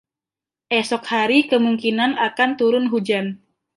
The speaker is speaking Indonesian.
Esok hari kemungkinan akan turun hujan.